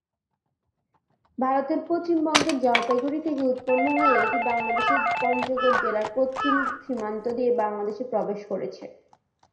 ভারতের পশ্চিমবঙ্গের জলপাইগুড়ি থেকে উৎপন্ন হয়ে এটি বাংলাদেশের পঞ্চগড় জেলার পশ্চিম সীমান্ত দিয়ে বাংলাদেশে প্রবেশ করেছে।